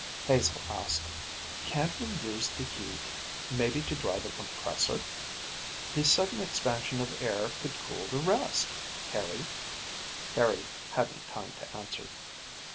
Hazel asked, "Can't we use the heat, maybe to drive a compressor? The sudden expansion of air could cool the rest. Harry?" Harry hadn't time to answer.